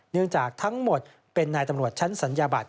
เนื่องจากทั้งหมดเป็นนายตำรวจชั้นศัลยบัตร